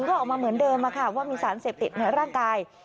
ก็ออกมาเหมือนเดิมว่ามีสารเสพติดในร่างกาย